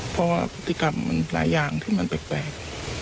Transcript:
เพราะว่าพฤติกรรมมันหลายอย่างที่มันแปลก